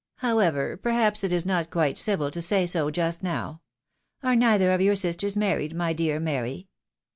However, perhaps it is not quite civil to say so just now. Are neither of your sisters married, my dear Mary